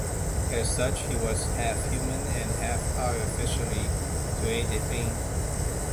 As such, he was half human and half-artificially created being.